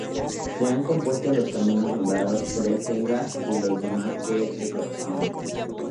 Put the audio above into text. Se han compuesto los caminos nombrados "Tres-Ceibas" y los demás que le corresponden.